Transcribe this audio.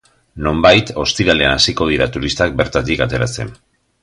Nonbait, ostiralean hasiko dira turistak bertatik ateratzen.